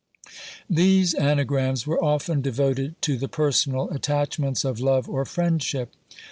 _ These anagrams were often devoted to the personal attachments of love or friendship.